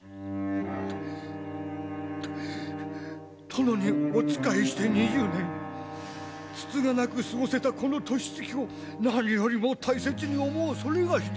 殿にお仕えして２０年つつがなく過ごせたこの年月を何よりも大切に思うそれがしでござります。